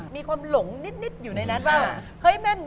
มีความหลงนิดอยู่ในนั้นบ้าง